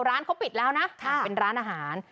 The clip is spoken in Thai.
ร้านเขาปิดแล้วนะเป็นร้านอาหาร